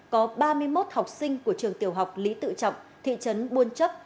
có ba mươi một học sinh của trường tiểu học lý tự trọng thị trấn buôn chấp